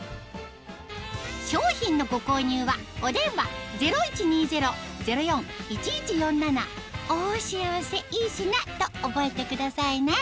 商品のご購入はお電話０１２０−０４−１１４７と覚えてくださいね